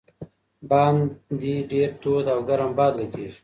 باندې ډېر تود او ګرم باد لګېږي.